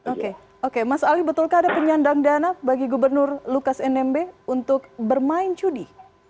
oke oke mas ali betulkah ada penyandang dana bagi gubernur lukas nmb untuk bermain judi